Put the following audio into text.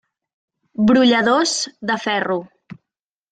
Brolladors de ferro.